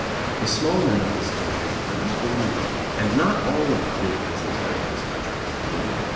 The small men of this country are not deluded, and not all of the big business men of this country are deluded.